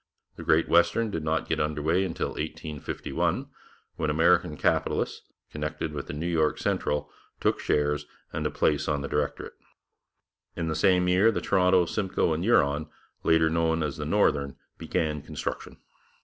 The Great Western did not get under way until 1851, when American capitalists, connected with the New York Central, took shares and a place on the directorate. In the same year the Toronto, Simcoe and Huron, later known as the Northern, began construction.